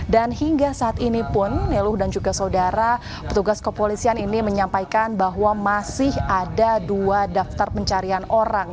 dan hingga saat ini pun neluh dan juga saudara petugas kepolisian ini menyampaikan bahwa masih ada dua daftar pencarian orang